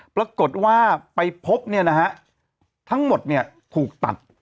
ปรากฏว่าไปพบทั้งหมดถูกตัด